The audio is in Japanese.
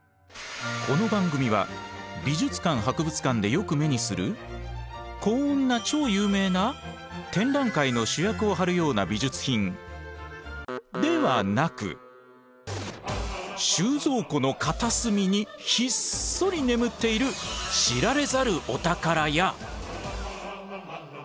この番組は美術館・博物館でよく目にするこんな超有名な展覧会の主役を張るような美術品ではなく収蔵庫の片隅にひっそり眠っている知られざるお宝や。